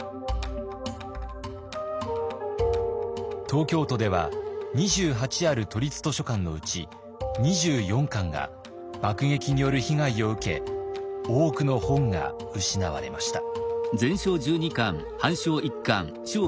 東京都では２８ある都立図書館のうち２４館が爆撃による被害を受け多くの本が失われました。